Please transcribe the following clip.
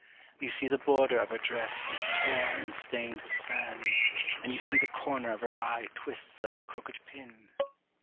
You see the border of her dress Is torn and stained with sand, And you see the corner of her eye Twists like a crooked pin.